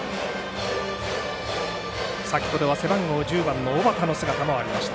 先ほどは背番号１０番の小畠の姿もありました。